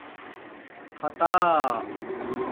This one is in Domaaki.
خطݳ